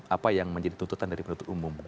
apa yang menjadi tuntutan dari penutup umum